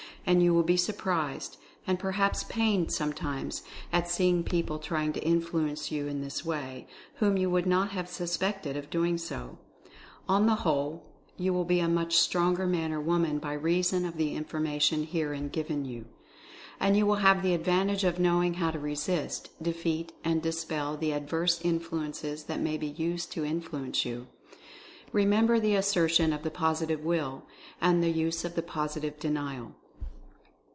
And you will be surprised, and perhaps pained sometimes, at seeing people try ing to influence you in this way, whom you would not have suspected of doing so. On the whole, you will 243 244 Mental Fascination be a much stronger man or woman by reason of the information herein given you. And you will have the advantage of knowing how to resist, defeat and dispel the adverse influences that may be used to influence you. Remember the assertion of the Positive Will, and the use of the Positive Denial!